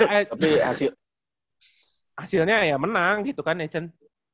eh tapi hasilnya ya menang gitu kan echen